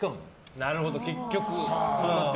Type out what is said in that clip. なるほど、結局は。